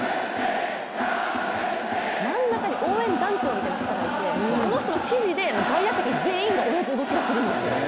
真ん中に応援団長みたいな方がいてその人の指示で外野席全員が同じ動きをするんですよ。